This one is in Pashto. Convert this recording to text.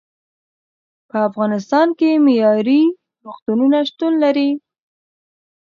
په افغانستان کې معیارې روغتونونه شتون لري.